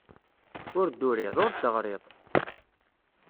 Ur d-turiḍ, ur d-teɣriḍ.